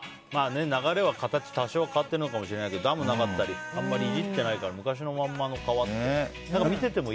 流れとか形とか多少変わってるかもしれないけどダムがなかったりあんまりいじってないから昔のままの川と。